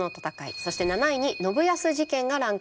そして７位に信康事件がランクインしました。